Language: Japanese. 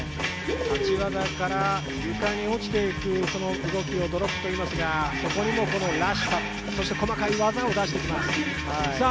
足技から落ちていく動きをドロップといいますがそこにもらしさ、細かい技を出してきます。